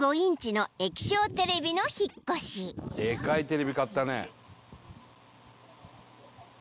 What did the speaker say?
でかいテレビ買ったね。